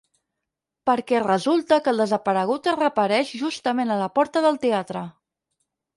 Perquè resulta que el desaparegut reapareix justament a la porta del teatre.